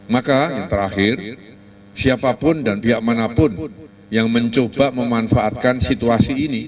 maka yang terakhir siapapun dan pihak manapun yang mencoba memanfaatkan situasi ini